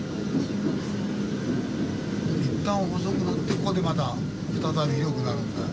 いったん細くなってここでまた再び広くなるんだ。